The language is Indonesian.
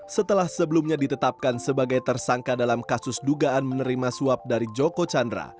setelah sebelumnya ditetapkan sebagai tersangka dalam kasus dugaan menerima suap dari joko chandra